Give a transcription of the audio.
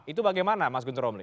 itu bagaimana mas guntur omli